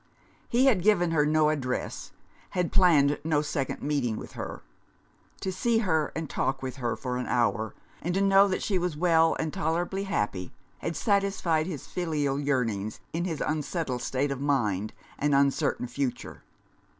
He had given her no address, had planned no second meeting with her. To see her and talk with her for an hour, and to know that she was well and tolerably happy, had satisfied his filial yearnings in his unsettled state of mind and uncertain future.